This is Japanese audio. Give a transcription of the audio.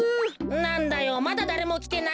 なんだよまだだれもきてないのかよ。